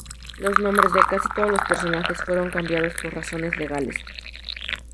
Los nombres de casi todos los personajes fueron cambiados por razones legales.